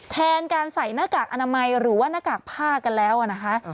แทนการใส่หน้ากากอนามัยหรือว่าหน้ากากผ้ากันแล้วนะคะ